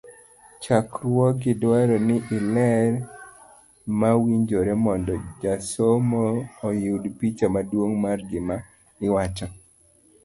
chakruogi dwaro ni iler mawinjore mondo jasomo oyud picha maduong' mar gima iwacho.